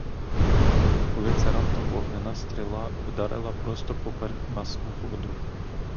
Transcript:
Коли це раптом вогненна стріла вдарила просто поперед нас у воду.